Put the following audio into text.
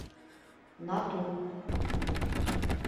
— Нату!